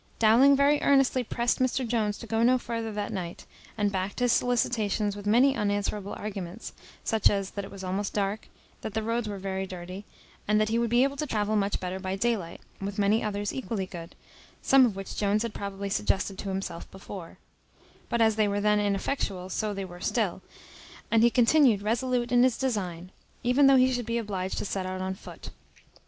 Dowling very earnestly pressed Mr Jones to go no further that night; and backed his solicitations with many unanswerable arguments, such as, that it was almost dark, that the roads were very dirty, and that he would be able to travel much better by day light, with many others equally good, some of which Jones had probably suggested to himself before; but as they were then ineffectual, so they were still: and he continued resolute in his design, even though he should be obliged to set out on foot.